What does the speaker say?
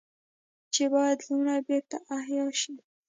چې بايد لومړی بېرته احياء شي